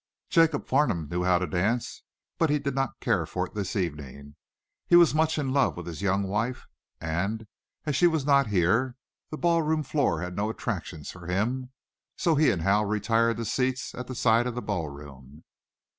Jacob Farnum knew how to dance, but did not care for it this evening. He was much in love with his young wife, and, as she was not here, the ballroom floor had no attractions for him. So he and Hal retired to seats at the side of the ballroom.